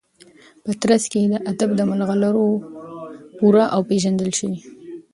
په ترڅ کي د ادب د مرغلرو پوره او پیژندل شوي